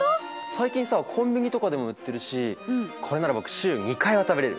最近さコンビニとかでも売ってるしこれなら僕週２回は食べれる。